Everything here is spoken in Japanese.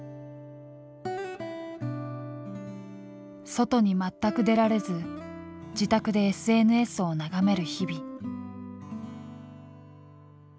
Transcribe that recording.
外に全く出られず自宅でＳＮＳを眺める日々。